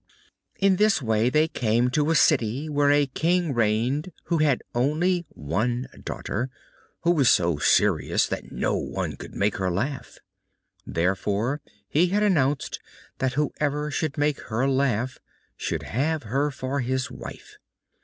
In this way they came to a city where a King reigned who had an only daughter, who was so serious that no one could make her laugh. Therefore he had announced that whoever should make her laugh should have her for his wife.